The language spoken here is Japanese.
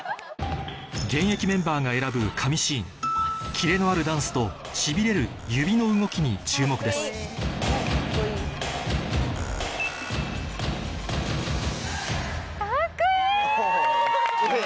現役メンバーが選ぶキレのあるダンスとしびれる指の動きに注目です・かっこいい！